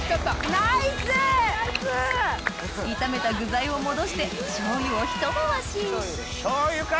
炒めた具材を戻して醤油をひと回し醤油か！